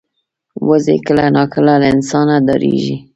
وزې کله ناکله له انسانه ډاریږي